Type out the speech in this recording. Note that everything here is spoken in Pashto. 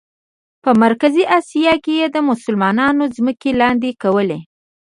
په مرکزي آسیا کې یې د مسلمانانو ځمکې لاندې کولې.